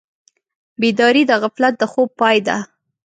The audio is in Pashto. بیداري د غفلت د خوب پای ده.